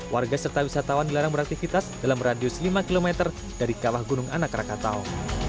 warga serta wisatawan dilarang beraktivitas dalam radius lima km dari kawah gunung anak rakatau